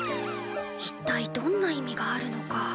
一体どんな意味があるのか。